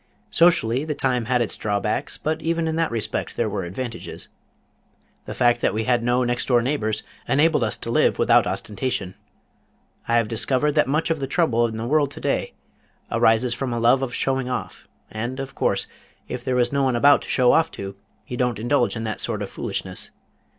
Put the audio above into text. Socially the time had its draw backs, but even in that respect there were advantages. The fact that we had no next door neighbors enabled us to live without ostentation. I have discovered that much of the trouble in the world to day arises from a love of showing off, and of course, if there is no one about to show off to, you don't indulge in that sort of foolishness.